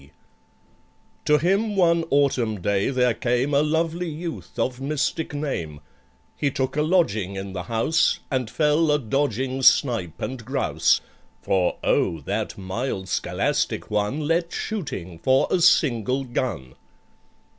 D. To him one autumn day there came A lovely youth of mystic name: He took a lodging in the house, And fell a dodging snipe and grouse, For, oh! that mild scholastic one Let shooting for a single gun.